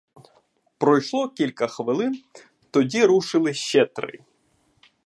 Пройшло кілька хвилин, тоді рушили ще три.